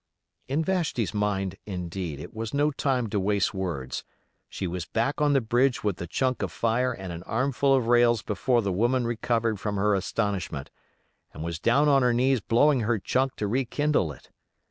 In Vashti's mind, indeed, it was no time to waste words, she was back on the bridge with the chunk of fire and an armful of rails before the woman recovered from her astonishment, and was down on her knees blowing her chunk to rekindle it.